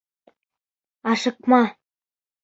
Ашыҡма.